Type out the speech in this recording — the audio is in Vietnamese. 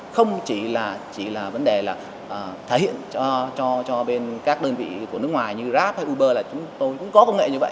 không chỉ là vấn đề thể hiện cho các đơn vị nước ngoài như grab hay uber là chúng tôi cũng có công nghệ như vậy